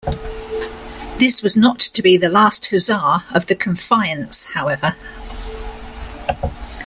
This was not to be the last "huzzah" of the "Confiance", however.